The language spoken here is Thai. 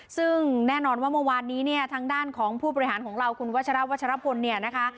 ซึ่งแน่นอนว่าเมื่อวานนี้เนี่ยทางด้านของผู้บริหารของเราคุณวัชราวัชรพลเนี่ยนะคะ